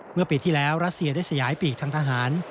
เมื่อปีที่แล้วรัสเซียได้สยายปีกทางทหาร